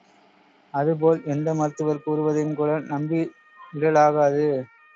அதுபோல் எந்த மருத்துவர் கூறுவதையும் கூட நம்பிவிடலாகாது.